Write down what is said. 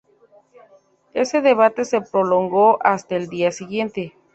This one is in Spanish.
Ese debate se prolongó hasta el día siguiente.